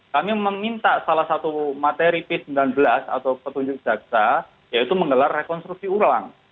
kami meminta salah satu materi p sembilan belas atau petunjuk jaksa yaitu menggelar rekonstruksi ulang